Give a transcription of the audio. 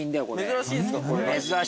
珍しいですか？